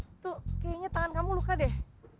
eh tuh kayaknya tangan kamu luka deh